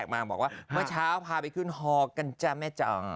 เมื่อเช้าพาไปขึ้นฮอกันจ๊ะแม่จ้อง